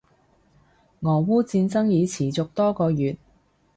俄烏戰爭已持續多個月